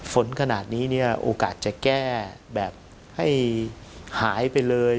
ฝนขนาดนี้เนี่ยโอกาสจะแก้แบบให้หายไปเลย